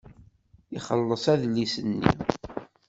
Ixelleṣ adlis-nni.